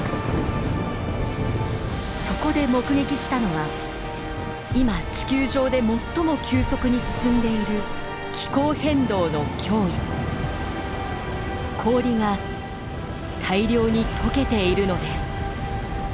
そこで目撃したのは今地球上で最も急速に進んでいる氷が大量にとけているのです。